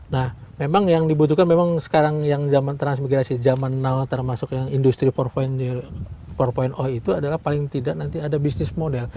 nah memang yang dibutuhkan memang sekarang yang zaman transmigrasi zaman now termasuk yang industri empat itu adalah paling tidak nanti ada bisnis model